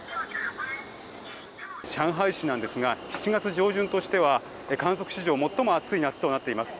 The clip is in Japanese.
上海市なんですが７月上旬としては観測史上最も暑い夏となっています。